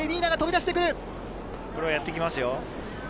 これはやって来ますよ。